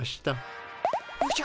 おじゃ。